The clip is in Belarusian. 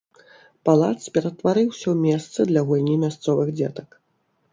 Палац ператварыўся ў месца для гульні мясцовых дзетак.